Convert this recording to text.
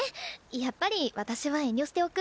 やっぱり私は遠慮しておく。